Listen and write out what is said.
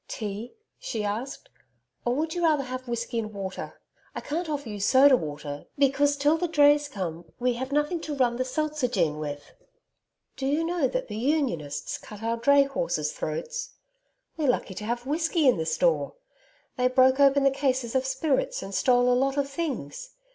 'Tea,' she asked, 'or would you rather have whiskey and water? I can't offer you soda water because, till the drays come, we have nothing to run the seltzogene with.... Do you know that the Unionists cut our dray horses' throats? We're lucky to have whiskey in the store. They broke open the cases of spirits and stole a lot of things....